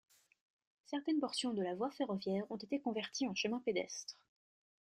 Certaines portions de la voie ferroviaire ont été converties en chemin pédestre.